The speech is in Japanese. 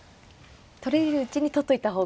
取れるうちに取っといた方が。